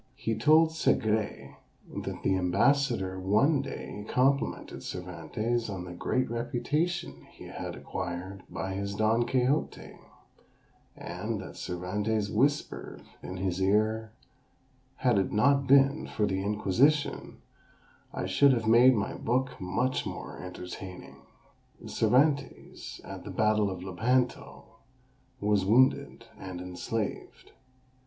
He told Segrais that the ambassador one day complimented Cervantes on the great reputation he had acquired by his Don Quixote; and that Cervantes whispered in his ear, "Had it not been for the Inquisition, I should have made my book much more entertaining." Cervantes, at the battle of Lepanto, was wounded, and enslaved.